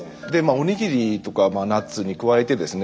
おにぎりとかナッツに加えてですね